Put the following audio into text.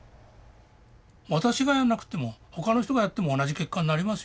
私がやらなくても他の人がやっても同じ結果になりますよ。